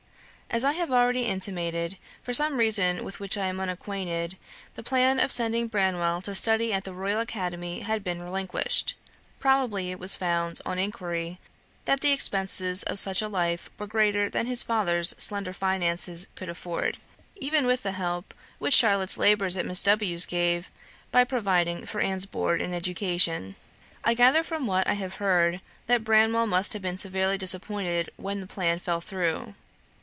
As I have already intimated, for some reason with which I am unacquainted, the plan of sending Branwell to study at the Royal Academy had been relinquished; probably it was found, on inquiry, that the expenses of such a life, were greater than his father's slender finances could afford, even with the help which Charlotte's labours at Miss W 's gave, by providing for Anne's board and education. I gather from what I have heard, that Branwell must have been severely disappointed when the plan fell through.